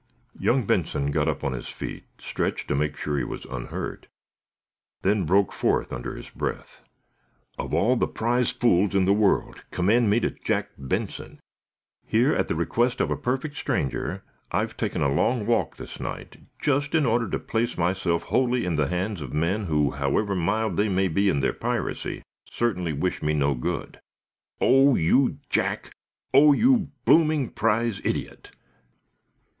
Young Benson got upon his feet, stretched to make sure he was unhurt, then broke forth, under his breath: "Of all the prize fools in the world, commend me to Jack Benson! Here, at the request of a perfect stranger, I've taken a long walk this night, just in order to place myself wholly in the hands of men who, however mild they may be in their piracy, certainly wish me no good. Oh, you, Jack! Oh, you blooming, prize idiot!"